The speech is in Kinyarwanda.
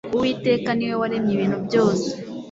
uwiteka niwe waremye ibintu byose